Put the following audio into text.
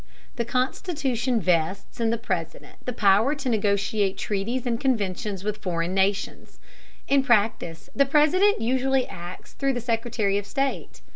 The Constitution vests in the President the power to negotiate treaties and conventions with foreign nations. In practice the President usually acts through the Secretary of State.